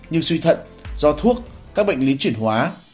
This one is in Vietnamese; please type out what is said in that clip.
như suy thận do thuốc các bệnh lý chuyển hóa